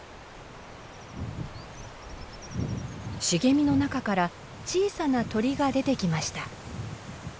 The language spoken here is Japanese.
茂みの中から小さな鳥が出てきました。